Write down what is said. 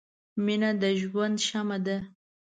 • مینه د ژوند شمعه ده.